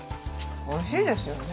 おいしいですよね。